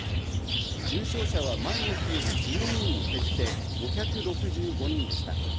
重症者は前の日より１２人減って５６５人でした。